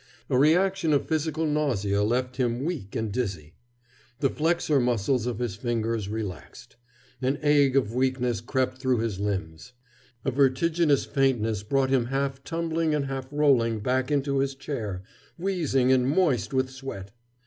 A reaction of physical nausea left him weak and dizzy. The flexor muscles of his fingers relaxed. An ague of weakness crept through his limbs. A vertiginous faintness brought him half tumbling and half rolling back into his chair, wheezing and moist with sweat.